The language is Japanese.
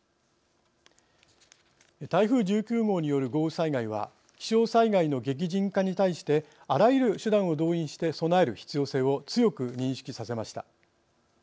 台風１９号による豪雨災害は気象災害の激甚化に対してあらゆる手段を動員して備える必要性を強く認識させました。